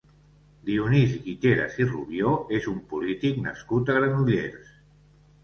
Dionís Guiteras i Rubio és un polític nascut a Granollers.